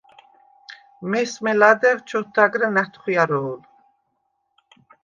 მესმე ლადეღ ჩოთდაგრა ნათხვიარო̄ლ.